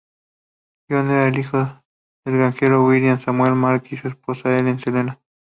John era el hijo del granjero William Samuel Makin y su esposa Ellen Selena.